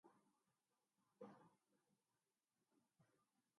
اس نے میری چھاتی کو ہاتھ لگایا اور اسی حالت میں تصویر لی